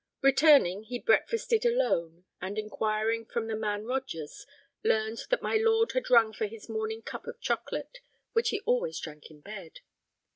Returning, he breakfasted alone, and, inquiring from the man Rogers, learned that my lord had rung for his morning cup of chocolate, which he always drank in bed.